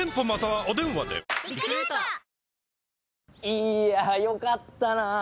いやぁよかったなぁ。